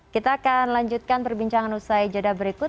kita akan lanjutkan perbincangan usai jeda berikut